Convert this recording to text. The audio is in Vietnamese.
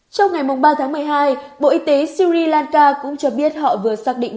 trong ngày ba tháng một mươi hai bộ y tế syri lanka cũng cho biết họ vừa xác định